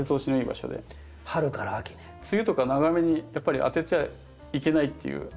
梅雨とか長雨にやっぱり当てちゃいけないっていう。